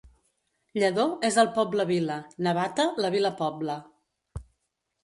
Lledó és el poble vila; Navata, la vila poble.